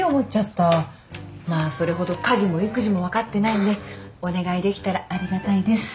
まあそれほど家事も育児も分かってないんでお願いできたらありがたいです。